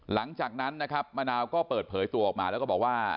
หลังจากนั้นนะครับมะนาวก็เปิดเผยตัวออกมาแล้วก็บอกว่า